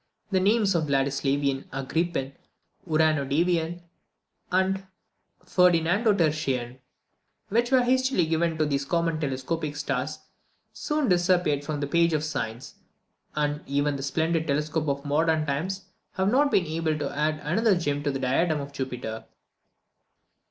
The names of Vladislavian, Agrippine, Uranodavian, and Ferdinandotertian, which were hastily given to these common telescopic stars, soon disappeared from the page of science, and even the splendid telescopes of modern times have not been able to add another gem to the diadem of Jupiter.